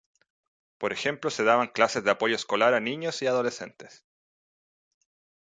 Por ejemplo se daban clases de apoyo escolar a niños y adolescentes.